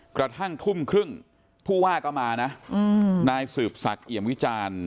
กระทั่งทุ่มครึ่งผู้ว่าก็มานะนายสืบศักดิ์เอี่ยมวิจารณ์